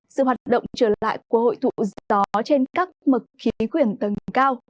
sự hoạt động trở lại của hội tụ gió trên các mực khí quyển tầng cao